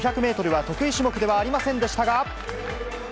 ５００ｍは得意種目ではありませんでしたが。